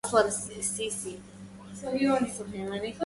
أنا من بدل بالكتب الصحابا